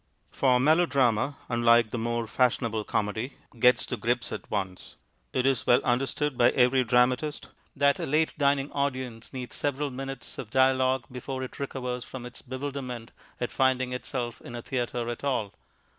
For melodrama, unlike the more fashionable comedy, gets to grips at once. It is well understood by every dramatist that a late dining audience needs several minutes of dialogue before it recovers from its bewilderment at finding itself in a theatre at all.